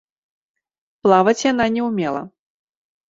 Плаваць яна не ўмела.